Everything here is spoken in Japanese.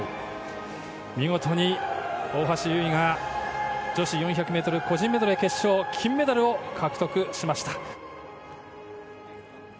見事に大橋悠依が女子４００ｍ個人メドレー決勝金メダルを獲得しました。